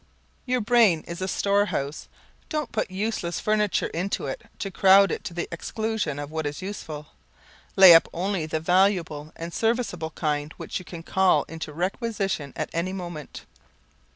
Your brain is a storehouse, don't put useless furniture into it to crowd it to the exclusion of what is useful. Lay up only the valuable and serviceable kind which you can call into requisition at any moment.